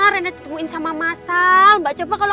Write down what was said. cuma yang penting sekarang adalah untungnya